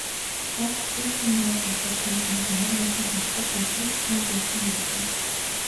Бас хуучин найз залуу чинь чамд ямар муухай ханддаг байсныг түүнд ярьсны хэрэггүй.